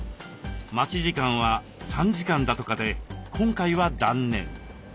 待ち時間は３時間だとかで今回は断念。